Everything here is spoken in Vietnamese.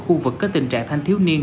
khu vực có tình trạng thanh thiếu niên